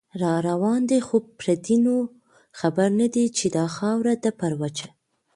راروان دی خو پردې نو خبر نه دی، چې دا خاوره ده پر وچه